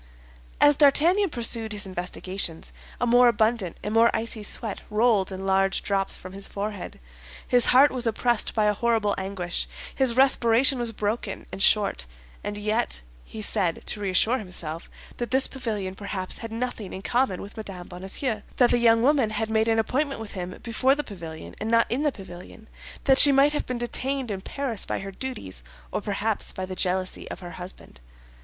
As D'Artagnan pursued his investigations, a more abundant and more icy sweat rolled in large drops from his forehead; his heart was oppressed by a horrible anguish; his respiration was broken and short. And yet he said, to reassure himself, that this pavilion perhaps had nothing in common with Mme. Bonacieux; that the young woman had made an appointment with him before the pavilion, and not in the pavilion; that she might have been detained in Paris by her duties, or perhaps by the jealousy of her husband.